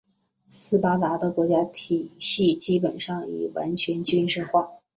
斯巴达的国家体系基本上已完全军事化。